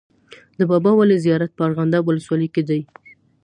د بابا ولي زیارت په ارغنداب ولسوالۍ کي دی.